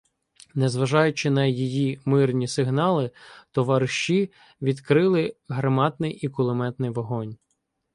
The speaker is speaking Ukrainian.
Незважаючи на її мирні сигнали, товариші відкрили гарматний і кулеметний вогонь.